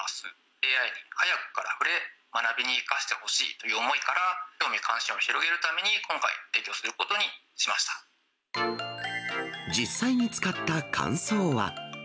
ＡＩに早くから触れ、学びに生かしてほしいという思いから、興味関心を広げるために、実際に使った感想は。